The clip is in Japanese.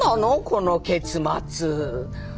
この結末。